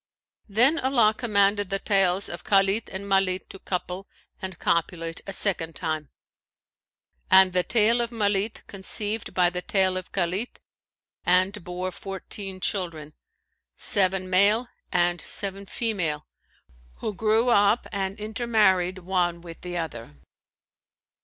Then Allah commanded the tails of Khalit and Malit to couple and copulate a second time, and the tail of Malit conceived by the tail of Khalit and bore fourteen children, seven male and seven female, who grew up and intermarried one with the other.